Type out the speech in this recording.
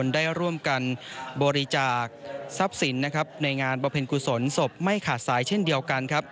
ได้ร่วมกันบริจาคทรัพย์สินในงานบริเวณกุศลศพไม่ขาดสายเช่นเดียวกัน